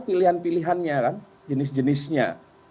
itu adalah pilihan pilihan jenis jenisnya